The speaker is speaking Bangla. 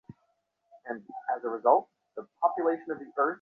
বন্দুক নামান বলছি!